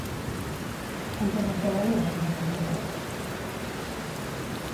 En què va esdevenir la seva figura?